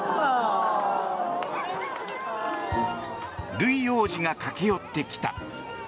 ルイ王子が駆け寄ってきた。